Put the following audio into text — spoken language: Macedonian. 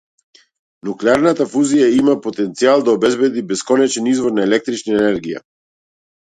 Нуклеарната фузија има потенцијал да обезбеди бесконечен извор на електрична енергија.